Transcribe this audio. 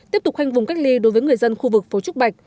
tiếp tục khoanh vùng cách ly đối với người dân khu vực phố trúc bạch